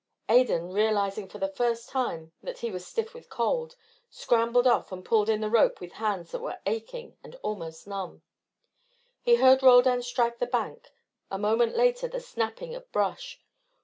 Adan, realising for the first time that he was stiff with cold, scrambled off and pulled in the rope with hands that were aching and almost numb. He heard Roldan strike the bank, a moment later the snapping of brush.